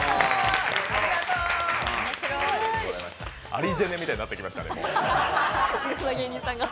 「有ジェネ」みたいになってきましたね。